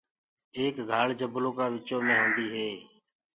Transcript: ايڪ گھآݪ جبلو ڪآ وچو مينٚ هوندي هي۔